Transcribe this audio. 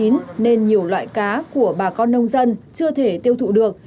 nên nhiều loại cá của bà con nông dân chưa thể tiêu thụ được